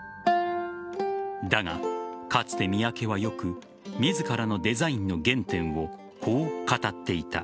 だが、かつて三宅はよく自らのデザインの原点をこう語っていた。